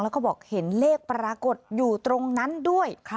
แล้วก็บอกเห็นเลขปรากฏอยู่ตรงนั้นด้วย